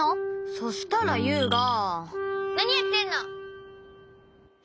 そしたらユウがなにやってんの！って。